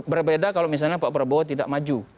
berbeda kalau misalnya pak prabowo tidak maju